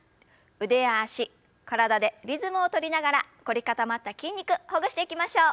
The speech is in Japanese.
腕や脚体でリズムを取りながら凝り固まった筋肉ほぐしていきましょう。